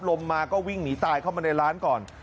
ลมมาก็วิ่งหนีตายเข้ามาในร้านก่อน